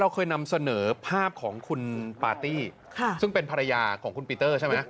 เคยนำเสนอภาพของคุณปาร์ตี้ซึ่งเป็นภรรยาของคุณปีเตอร์ใช่ไหม